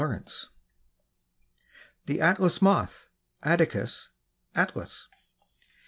182 THE ATLAS MOTH. (Attacus atlas.)